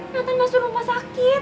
natan masuk rumah sakit